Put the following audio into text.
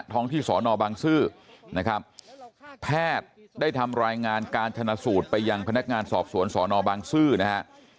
ท้องที่สอนอบางซื่อนะครับแพทย์ได้ทำรายงานการชนะสูตรไปยังพนักงานสอบสวนสอนอบางซื่อนะฮะ